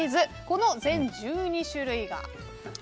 この全１２種類が。